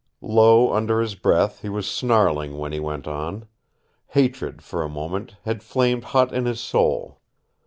Low under his breath he was snarling when he went on. Hatred, for a moment, had flamed hot in his soul.